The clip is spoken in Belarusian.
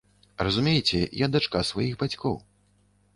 Разумееце, я дачка сваіх бацькоў.